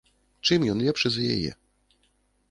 Чым ён лепшы за яе?